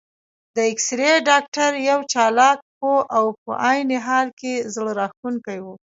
د اېکسرې ډاکټر یو چالاک، پوه او په عین حال کې زړه راښکونکی و.